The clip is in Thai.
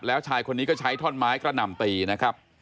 แล้วชายคนนี้ก็ใช้ท่อนไม้กระหน่ำตีนะครับ